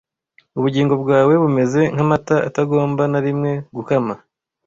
ubugingo bwawe bumeze nkamata atagomba na rimwe gukama